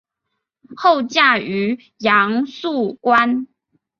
后嫁于杨肃观。